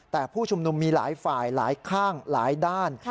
แต่ผู้ชุมนุมมีหลายฝ่ายหลายข้างหลายด้าน